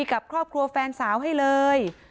กับครอบครัวแฟนสาวให้เลย